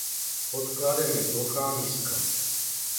Podkladem je plochá miska.